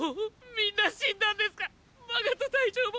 みんな死んだんですか⁉マガト隊長も！！